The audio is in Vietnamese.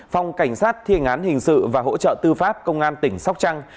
phòng cảnh sát thiên án hình sự và hỗ trợ tư pháp công an tỉnh sóc trăng